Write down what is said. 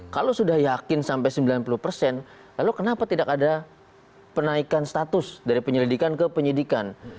kalau sudah yakin sampai sembilan puluh persen lalu kenapa tidak ada penaikan status dari penyelidikan ke penyidikan